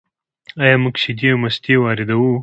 آیا موږ شیدې او مستې واردوو؟